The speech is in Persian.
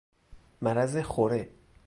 مرض خوره